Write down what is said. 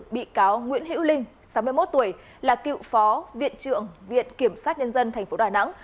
bị cáo nguyễn hữu linh sáu mươi một tuổi là cựu phó viện trưởng viện kiểm sát nhân dân tp đà nẵng